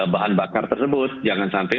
bahan bakar tersebut jangan sampai